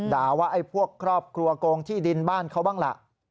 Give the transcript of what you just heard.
ด่าว่าไอ้พวกครอบครัวโกงที่ดินบ้านเขาบ้างล่ะ